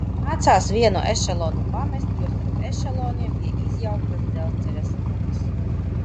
Nācās vienu ešelonu pamest, jo starp ešeloniem bija izjauktas dzelzceļa sliedes.